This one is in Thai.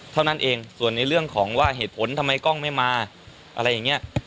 เท่านั้นเองส่วนในเรื่องของว่าเหตุผลทำไมกล้องไม่มาอะไรอย่างนี้